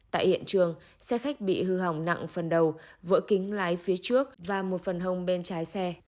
tại hiện trường xe khách bị hư hỏng nặng phần đầu vỡ kính lái phía trước và một phần hồng bên trái xe